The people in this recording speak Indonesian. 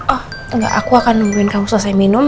oh enggak aku akan nungguin kamu selesai minum